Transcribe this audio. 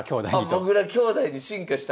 あもぐら兄弟に進化した。